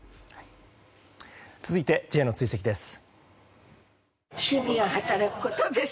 続いて、Ｊの追跡です。